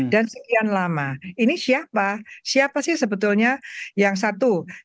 dan sekian lama ini siapa siapa sih sebetulnya yang satu